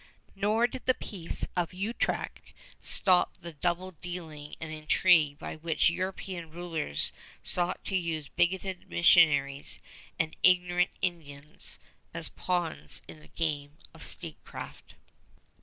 Nor did the Peace of Utrecht stop the double dealing and intrigue by which European rulers sought to use bigoted missionaries and ignorant Indians as pawns in the game of statecraft.